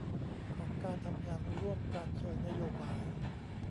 ของการทำงานร่วมกันเชิงนโบาย